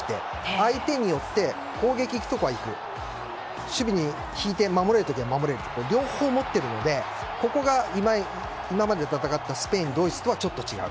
相手によって攻撃に行くところは行く守備で引いて守る時は守ると両方持っているのでここが今まで戦ったスペイン、ドイツとはちょっと違う。